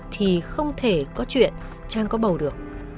thì không thể có chuyện trang có bầu được